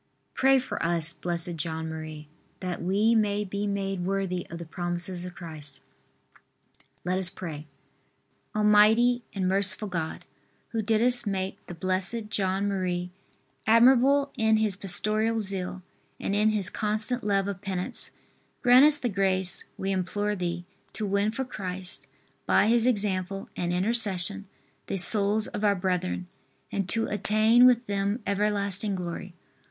V. Pray for us, Blessed John Marie, R. That we may be made worthy of the promises of Christ. LET US PRAY. Almighty and merciful God, who didst make the Blessed John Marie admirable in his pastoral zeal and in his constant love of penance, grant us the grace, we implore Thee, to win for Christ, by his example and intercession, the souls of our brethren, and to attain with them everlasting glory.